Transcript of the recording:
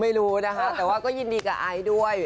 ไม่รู้นะคะแต่ว่าก็ยินดีกับไอซ์ด้วย